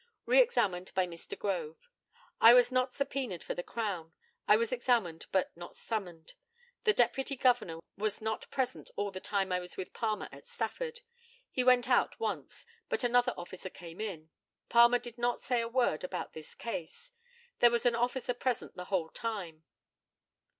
Re examined by Mr. GROVE: I was not subpœned for the Crown; I was examined, but not summoned. The deputy governor was not present all the time I was with Palmer at Stafford. He went out once, but another officer came in. Palmer did not say a word about this case. There was an officer present the whole time.